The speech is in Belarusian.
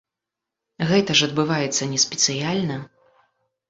Гэта ж адбываецца не спецыяльна.